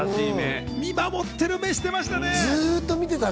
見守ってる目してますね。